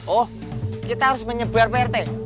oh kita harus menyebar pak rt